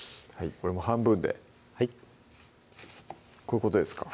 これも半分ではいこういうことですか？